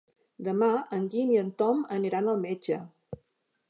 Demà en Guim i en Tom aniran al metge.